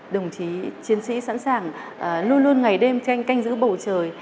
đồng chí chiến sĩ sẵn sàng luôn luôn ngày đêm tranh canh giữ bầu trời